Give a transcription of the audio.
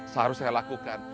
seharusnya saya lakukan